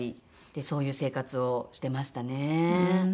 そういう生活をしてましたね。